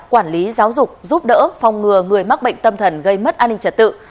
quản lý giáo dục giúp đỡ phòng ngừa người mắc bệnh tâm thần gây mất an ninh trật tự